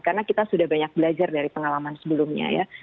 karena kita sudah banyak belajar dari pengalaman sebelumnya ya